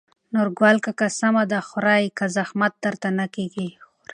نورګل کاکا: سمه ده خورې که زحمت درته نه کېږي.